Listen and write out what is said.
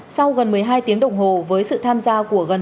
sau gần một mươi hai tiếng đồng hồ với sự tham gia của gần